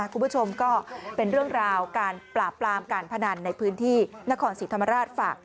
คุณผู้ชมก็เป็นเรื่องราวการปราบปรามการพนันในพื้นที่นครศรีธรรมราชฝาก